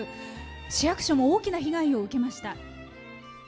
市役所も大きな被害を受けました。